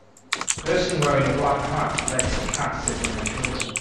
Person wearing a black hat lets a cat sit on their shoulder.